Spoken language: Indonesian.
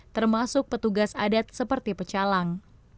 termasuk petugas adat seperti pecalang